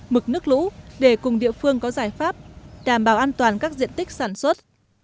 mực nước lũ để cùng địa phương có giải pháp đảm bảo an toàn các diện tích sản xuất